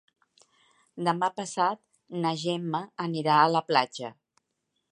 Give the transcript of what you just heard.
Demà passat na Gemma anirà a la platja.